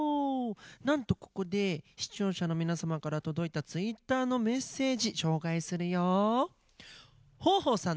なんとここで視聴者の皆様から届いたツイッターのメッセージ紹介するよ！